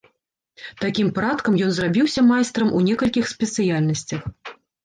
Такім парадкам ён зрабіўся майстрам у некалькіх спецыяльнасцях.